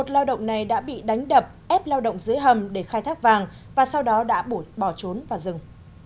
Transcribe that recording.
một lao động này đã bị đánh đập ép lao động dưới hầm để khai thác vàng và sau đó đã bỏ trốn vào rừng